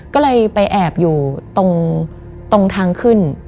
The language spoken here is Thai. ก็เลยไปแอบอยู่ตรงทางขึ้น